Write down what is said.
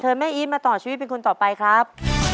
แม่อีทมาต่อชีวิตเป็นคนต่อไปครับ